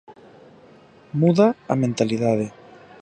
Muda a mentalidade.